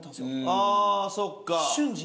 あそっか。